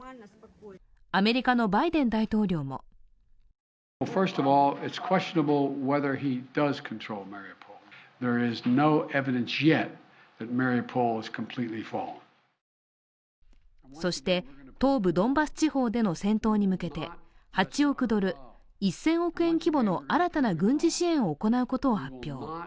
アメリカのバイデン大統領もそして東部ドンバス地方での戦闘に向けて８億ドル、１０００億円規模の新たな軍事支援を行うことを発表。